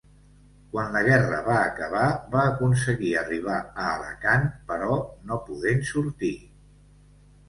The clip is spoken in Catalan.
Quan la guerra va acabar va aconseguir arribar a Alacant però no podent sortir.